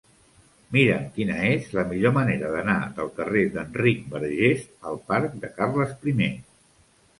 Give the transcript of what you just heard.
Mira'm quina és la millor manera d'anar del carrer d'Enric Bargés al parc de Carles I.